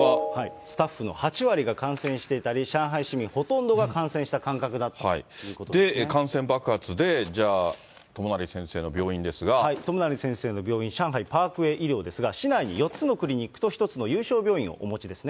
スタッフの８割が感染していたり、上海市民ほとんどが感染し感染爆発で、じゃあ、友成先生の病院、上海パークウェイ医療ですが、市内に４つのクリニックと１つの有床病院をお持ちですね。